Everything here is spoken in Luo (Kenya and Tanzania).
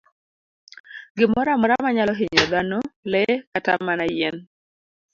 Gimoro amora manyalo hinyo dhano, le, kata mana yien.